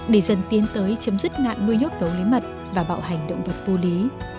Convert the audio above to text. để dần tiến tới chấm dứt ngạn nuôi nhốt cấu lý mật và bạo hành động vật vô lý